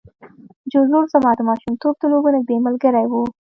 جوزف زما د ماشومتوب د لوبو نږدې ملګری و